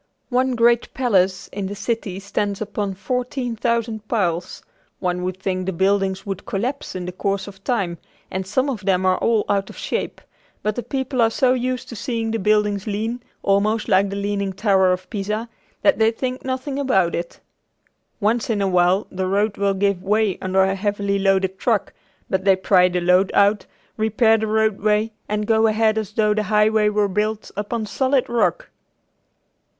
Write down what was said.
One great palace in the city stands upon fourteen thousand piles. One would think the buildings would collapse in the course of time, and some of them are all out of shape, but the people are so used to seeing the buildings lean, almost like the Leaning Tower of Pisa, that they think nothing about it. Once in awhile the road will give way under a heavily loaded truck, but they pry the load out, repair the roadway, and go ahead as though the highway were built upon solid rock.